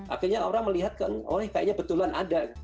akhirnya orang melihat kan oh kayaknya betulan ada